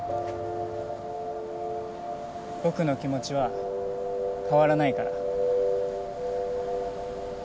僕の気持ちは変わらないから。